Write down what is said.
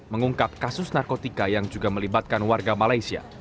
mengungkap kasus narkotika yang juga melibatkan warga malaysia